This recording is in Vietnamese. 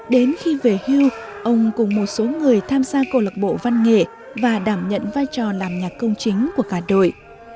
đến khi về hưu ông cùng một số người tham gia câu lạc bộ văn nghệ và đảm nhận vai trò làm nhạc công chính của cả đội